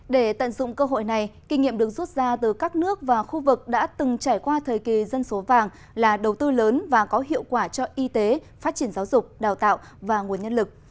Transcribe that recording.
để tận dụng cơ hội này kinh nghiệm được rút ra từ các nước và khu vực đã từng trải qua thời kỳ dân số vàng là đầu tư lớn và có hiệu quả cho y tế phát triển giáo dục đào tạo và nguồn nhân lực